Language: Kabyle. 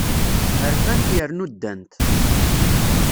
Rfant yernu ddant.